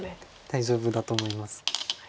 大丈夫だと思います。